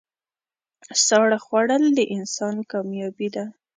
ساړه خوړل د انسان کامیابي ده.